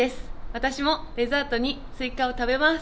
私もデザートにスイカを食べます。